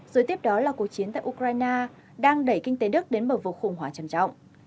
dưới tiếp đó là cuộc chiến tại ukraine đang đẩy kinh tế đức đến bầu vực khủng hoảng trầm trọng